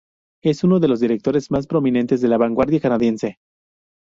Es uno de los directores más prominentes de la vanguardia canadiense.